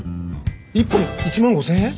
１本１万５０００円！？